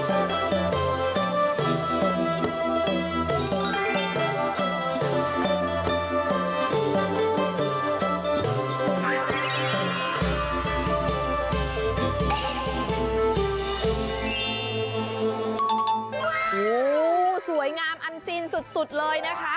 โอ้โหสวยงามอันซีนสุดเลยนะคะ